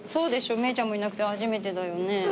お姉ちゃんもいなくてはじめてだよね。